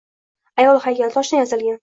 — Ayol haykali. Toshdan yasalgan